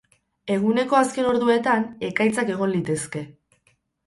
Eguneko azken orduetan, ekaitzak egon litezke.